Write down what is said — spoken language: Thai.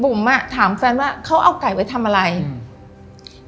อ่ะถามแฟนว่าเขาเอาไก่ไว้ทำอะไรอืม